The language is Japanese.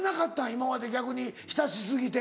今まで逆に親し過ぎて。